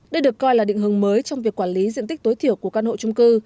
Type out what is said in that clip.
đây được coi là định hướng mới trong việc quản lý diện tích tối thiểu của căn hộ trung cư